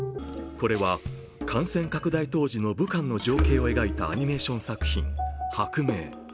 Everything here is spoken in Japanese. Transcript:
これは感染拡大当時の武漢の情景を描いたアニメーション作品「薄明」。